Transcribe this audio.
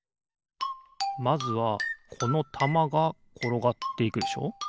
まずはこのたまがころがっていくでしょ。